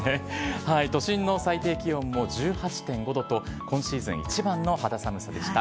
都心の最低気温も１８．５度と、今シーズン、一番の肌寒さでした。